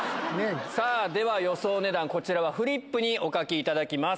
さあ、予想お値段、こちらはフリップにお書きいただきます。